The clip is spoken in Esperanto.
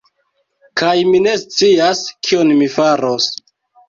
Kaj mi ne scias, kion mi faros